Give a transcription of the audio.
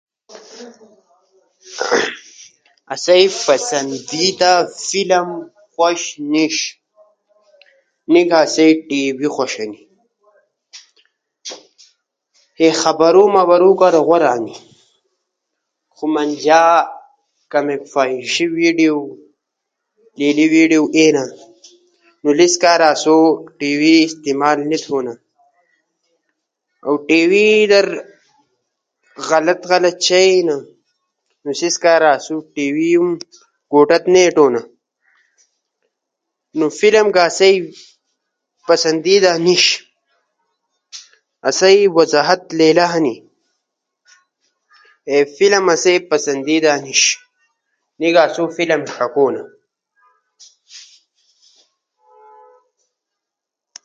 اسیے فسدید فلم خوشہنو سی ف پاکستان یہ پوتو فلم یہ لیاسی خوشہنو